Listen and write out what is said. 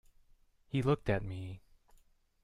He looked at me.